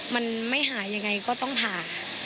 มันไม่หายังไงก็ต้องผ่า